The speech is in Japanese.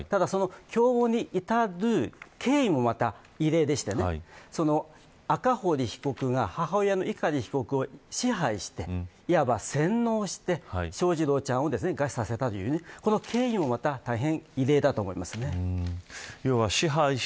共謀に至る経緯もまた異例でして赤堀被告が母親の碇被告を支配していわば洗脳して、翔士郎ちゃんを餓死させたというこの経緯も異例だったと思います。